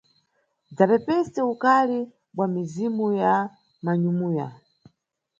Dzapepese ukali bwa mizimu ya manyumuya.